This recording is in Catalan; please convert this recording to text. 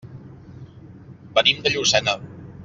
Venim de Llucena.